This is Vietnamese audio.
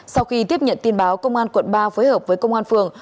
sau khi tiếp nhận tin báo công an quận ba phối hợp với công an phường